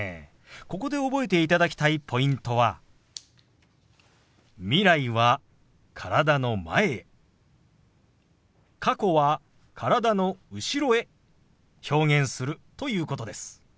ここで覚えていただきたいポイントは未来は体の前へ過去は体の後ろへ表現するということです。